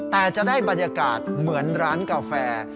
แต่จะได้บรรยากาศเหมือนร้านกาแฟ